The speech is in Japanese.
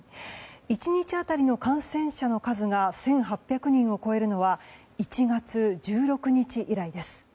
１日当たりの感染者の数が１８００人を超えるのは１月１６日以来です。